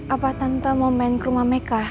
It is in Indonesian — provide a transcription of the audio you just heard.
apa tante mau main ke rumah mereka